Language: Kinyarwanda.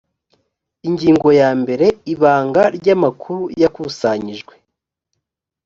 ingingo ya mbere ibanga ry amakuru yakusanyijwe